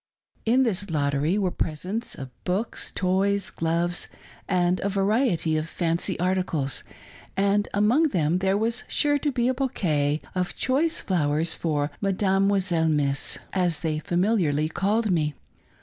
In this lottery were presents of books, toys, gloves, and a variety of fancy articles, and among them there was sure to be a bouquet of choice flowers for " Mademoiselle Miss," as they familiarly called me.